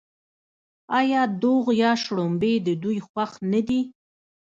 آیا دوغ یا شړومبې د دوی خوښ نه دي؟